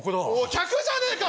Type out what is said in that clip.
客じゃねえか！